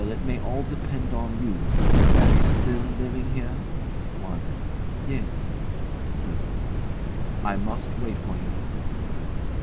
It may all depend on you. Larry's still living here? WANDA. Yes. KEITH. I must wait for him.